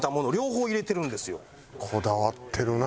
こだわってるな。